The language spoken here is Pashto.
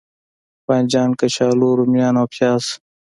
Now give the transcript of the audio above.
بانجان، کچالو، روميان او پیاز